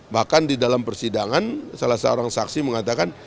bahkan di dalam persidangan salah seorang saksi mengatakan